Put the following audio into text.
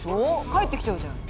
返ってきちゃうじゃない。